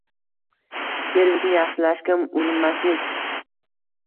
- servisni yaxshilashga urinmaslik –